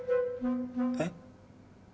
えっ？